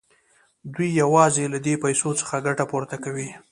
دوی یوازې له دې پیسو څخه ګټه پورته کوي